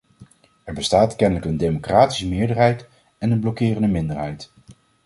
Er bestaat kennelijk een democratische meerderheid en een blokkerende minderheid.